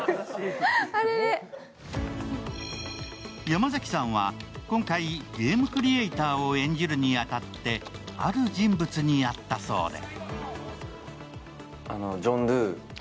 山崎さんは今回、ゲームクリエーターを演じるに当たってある人物に会ったそうで。